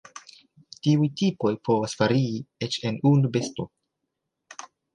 Tiuj tipoj povas varii eĉ en unu besto.